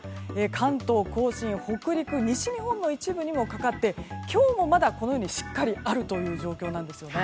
関東、甲信、北陸西日本の一部にもかかって、今日もまだしっかりあるという状況なんですね。